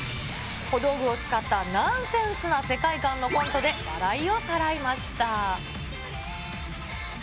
小道具を使ったナンセンスな世界観のコントで、笑いをさらいました。